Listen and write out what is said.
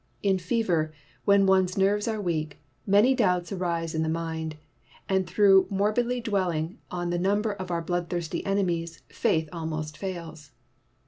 In fever, when one's nerves are weak, many doubts arise in the mind, and through morbidly dwelling on the number of our bloodthirsty enemies, faith almost fails.